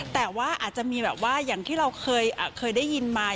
แต่ว่าอาจจะมีแบบว่าอย่างที่เราเคยได้ยินมา